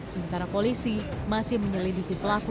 sementara polisi masih menyelidiki pelaku